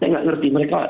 saya nggak ngerti mereka